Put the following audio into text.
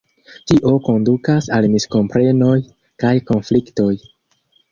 Tio kondukas al miskomprenoj kaj konfliktoj.